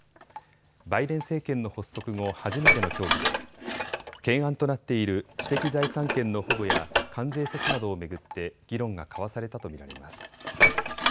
バイデン政権の発足後、初めての協議で懸案となっている知的財産権の保護や関税措置などを巡って議論が交わされたと見られます。